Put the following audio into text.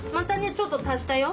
ちょっと足したよ。